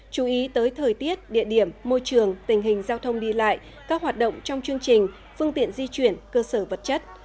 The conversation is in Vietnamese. chú ý tới thời tiết địa điểm môi trường tình hình giao thông đi lại các hoạt động trong chương trình phương tiện di chuyển cơ sở vật chất